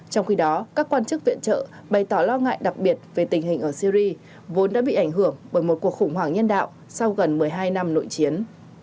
trong khi đó các quan chức viện trợ bày tỏ lo ngại đặc biệt về tình hình ở syri vốn đã bị ảnh hưởng bởi một cuộc khủng hoảng nhân đạo sau gần một mươi hai năm nội chiến